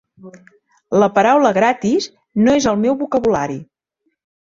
La paraula "gratis" no és al meu vocabulari.